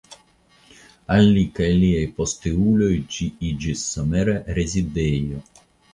Al li kaj liaj posteuloj ĝi iĝis somera rezidejo.